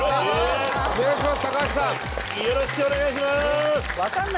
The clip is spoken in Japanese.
伊達：お願いします。